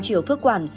triều phước quản